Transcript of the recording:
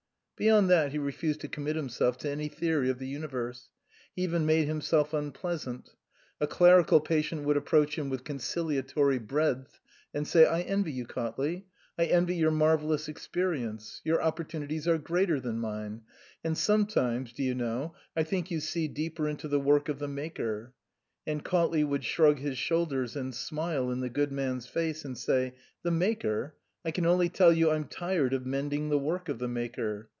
Beyond that he refused to commit himself to any theory of the universe. He even made himself unpleasant. A clerical patient would approach him with conciliatory breadth, and say : "I envy you, Cautley ; I envy your mar vellous experience. Your opportunities are greater than mine. And sometimes, do you know, I think you see deeper into the work of the Maker." And Cautley would shrug his shoulders and smile in the good man's face, and say, " The Maker ! I can only tell you I'm tired of mending the work of the Maker."